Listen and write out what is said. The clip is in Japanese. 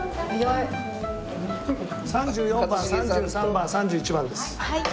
３４番３３番３１番です。